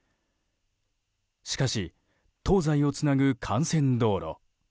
しかし、東西をつなぐ幹線道路